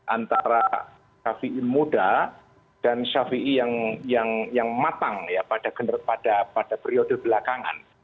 antara syafiee muda dan syafiee yang matang ya pada periode belakangan